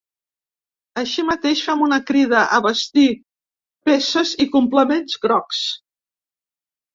Així mateix, fem una crida a vestir peces i complements grocs.